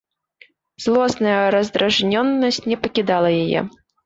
Злосная раздражненасць не пакідала яе.